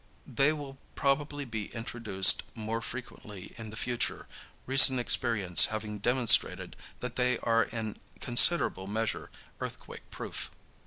They will probably be introduced more frequently in the future, recent experience having demonstrated that they are in considerable measure earthquake proof.